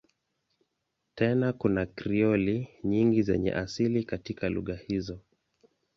Tena kuna Krioli nyingi zenye asili katika lugha hizo.